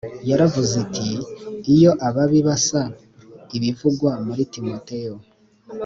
Yaravuze iti iyo ababi basa Ibivugwa muri Timoteyo